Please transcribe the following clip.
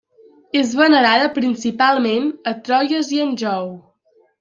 És venerada principalment a Troyes i Anjou.